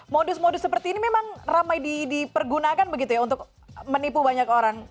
modus modus seperti ini memang ramai dipergunakan begitu ya untuk menipu banyak orang